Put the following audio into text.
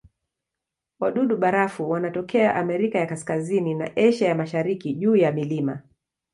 Wadudu-barafu wanatokea Amerika ya Kaskazini na Asia ya Mashariki juu ya milima.